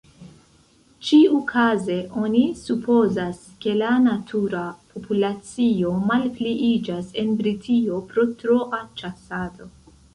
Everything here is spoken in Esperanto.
Ĉiukaze oni supozas, ke la "natura" populacio malpliiĝas en Britio pro troa ĉasado.